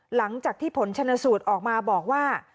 หลังจากที่ผลชนสูตรออกมาบอกว่า